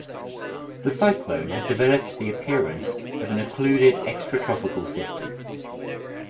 The cyclone had developed the appearance of an occluded extratropical system.